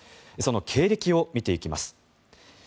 その経歴を見ていきます。